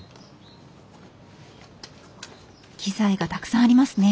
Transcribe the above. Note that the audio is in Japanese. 機材がたくさんありますね。